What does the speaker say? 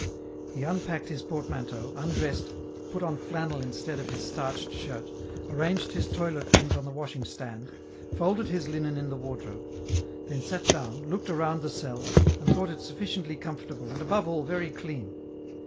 He unpacked his portmanteau, undressed, put on flannel instead of his starched shirt, arranged his toilet things on the washing stand, folded his linen in the wardrobe ; then sat down, looked around the cell, and thought it sufficiently com fortable, and above all very clean.